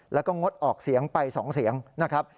แล้วก็งดออกเสียงไป๒เสียงนะครับ